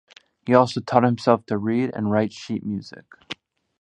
He also taught himself to read and write sheet music.